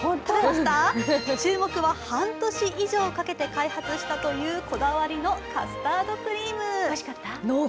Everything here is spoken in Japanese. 注目は半年以上かけて開発したというこだわりのカスタードクリーム。